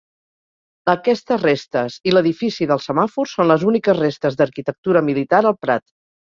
Aquestes restes i l'Edifici del Semàfor són les úniques restes d'arquitectura militar al Prat.